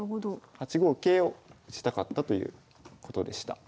８五桂をしたかったということでした。